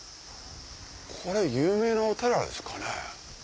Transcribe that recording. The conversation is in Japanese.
これ有名なお寺ですかね？